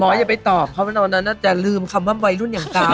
อย่าไปตอบเพราะว่าตอนนั้นจะลืมคำว่าวัยรุ่นอย่างกาย